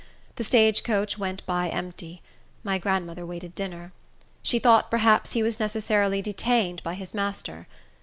The stage coach went by empty. My grandmother waited dinner. She thought perhaps he was necessarily detained by his master.